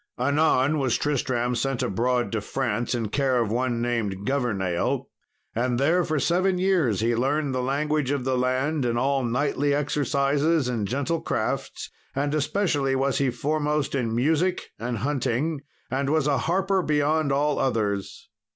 Anon was Tristram sent abroad to France in care of one named Governale. And there for seven years he learned the language of the land, and all knightly exercises and gentle crafts, and especially was he foremost in music and in hunting, and was a harper beyond all others.